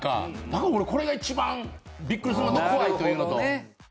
だから俺これが一番ビックリするのと怖いというのと。